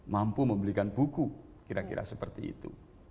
mampu membelikan buku kira kira seperti itu